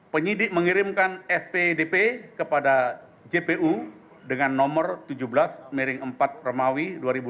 penyidik mengirimkan spdp kepada jpu dengan nomor tujuh belas empat remawi dua ribu dua puluh